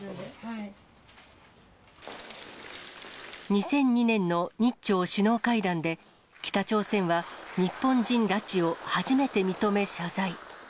２００２年の日朝首脳会談で、北朝鮮は日本人拉致を初めて認め謝罪。